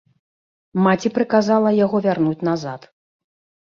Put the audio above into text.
Маці прыказала яго вярнуць назад.